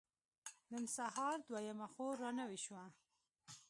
نن سهار دويمه خور را نوې شوه.